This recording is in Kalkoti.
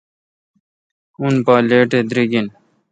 اں پے° لیٹ اے° دریگ این۔